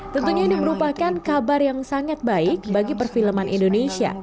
tentunya ini merupakan kabar yang sangat baik bagi perfilman indonesia